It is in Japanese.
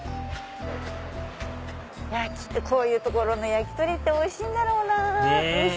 きっとこういう所の焼き鳥っておいしいんだろうなぁ。ねぇ！